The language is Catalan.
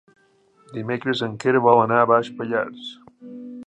Dimecres en Quer vol anar a Baix Pallars.